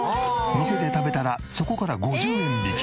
店で食べたらそこから５０円引き。